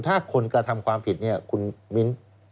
ถ้าคนกระทำความผิดเนี่ยคุณมิ้น